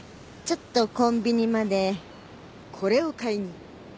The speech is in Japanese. ちょっとコンビニまでこれを買いに。